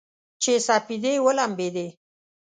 چې سپېدې ولمبیدې